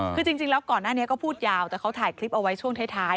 คือจริงแล้วก่อนหน้านี้ก็พูดยาวแต่เขาถ่ายคลิปเอาไว้ช่วงท้าย